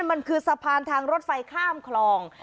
มันคือสะพานทางรถไฟข้ามคลอง